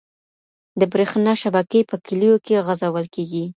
د بريښنا شبکي په کليو کي غځول کيږي.